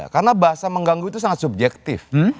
karena bahasa mengganggu itu sangat subjektif